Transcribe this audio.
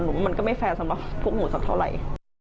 มันก็ไม่แฟร์สำหรับพวกหนูสักเท่าไหร่